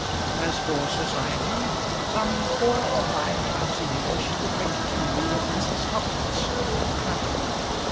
As for society, some four or five times a year she would drink tea with Mrs. Hubbles at Clapham.